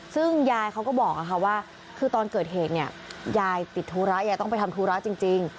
ซึ่งยายเขาก็บอกว่าคือตอนเกิดเหตุเนี่ยยายติดธุระยายต้องไปทำธุระจริง